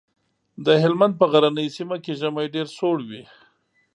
د هلمند په غرنۍ سيمه کې ژمی ډېر سوړ وي.